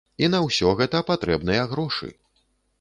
І на ўсё гэта патрэбныя грошы.